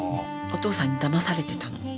お父さんにだまされてたの。